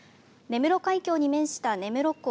根室海峡に面した根室港。